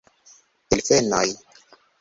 Delfenoj!